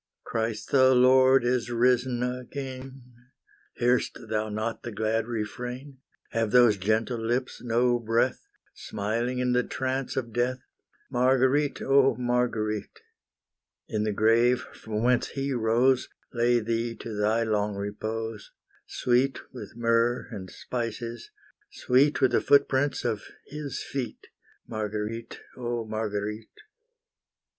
Christ the Lord is risen again, Hear'st thou not the glad refrain, Have those gentle lips no breath, Smiling in the trance of death? Marguerite, oh Marguerite! In the grave from whence He rose, Lay thee to thy long repose, Sweet with myrrh and spices, sweet With the footprints of His feet, Marguerite, oh Marguerite!